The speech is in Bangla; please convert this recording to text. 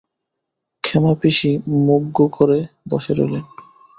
ক্ষেমাপিসি মুখ গোঁ করে বসে রইলেন।